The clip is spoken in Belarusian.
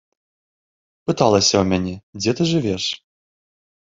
Пыталася ў мяне, дзе ты жывеш.